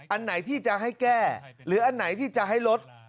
อันไหนที่จะให้แก้หรืออันไหนที่จะให้ลด